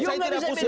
saya tidak pusing